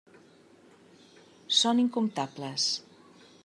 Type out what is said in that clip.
Són incomptables.